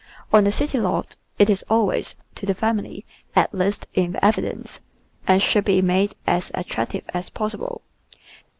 On the city THE VEGETABLE GARDEN lot it is always, to the family, at least, in evidence, and should be made as attractive as possible.